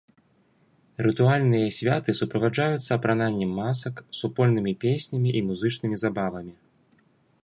Рытуальныя святы суправаджаюцца апрананнем масак, супольнымі песнямі і музычнымі забавамі.